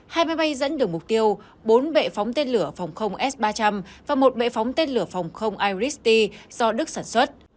hai máy bay dẫn đường mục tiêu bốn bệ phóng tên lửa phòng không s ba trăm linh và một bệ phóng tên lửa phòng không iristi do đức sản xuất